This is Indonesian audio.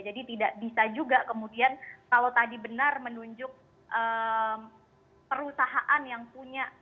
jadi tidak bisa juga kemudian kalau tadi benar menunjuk perusahaan yang punya